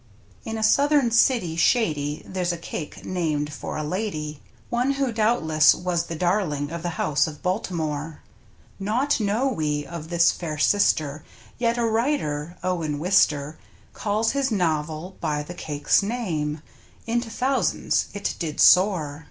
In a southern city shady there's a cake named for a Lady, One who doubtless was the darling of the house of Baltimore, Naught know we of this fair sister, yet a writer — Owen Wister — Called his novel by the cake's name — into thousands it did soar!